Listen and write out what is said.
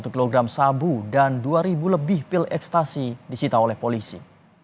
satu kg sabu dan dua lebih pil ekstasi disita oleh polisi